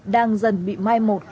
đang dần bị mai một